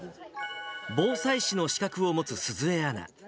防災士の資格を持つ鈴江アナ。